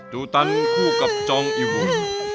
ดูตันคู่กับจองอิว